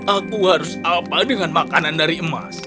aku harus apa dengan makanan dari emas